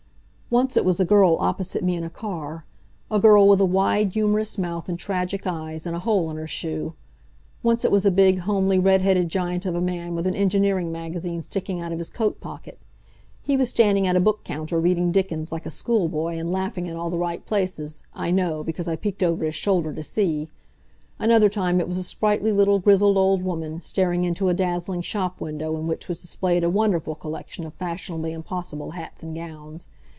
Once it was a girl opposite me in a car a girl with a wide, humorous mouth, and tragic eyes, and a hole in her shoe. Once it was a big, homely, red headed giant of a man with an engineering magazine sticking out of his coat pocket. He was standing at a book counter reading Dickens like a schoolboy and laughing in all the right places, I know, because I peaked over his shoulder to see. Another time it was a sprightly little, grizzled old woman, staring into a dazzling shop window in which was displayed a wonderful collection of fashionably impossible hats and gowns.